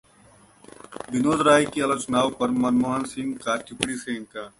विनोद राय की आलोचनाओं पर मनमोहन सिंह का टिप्पणी से इनकार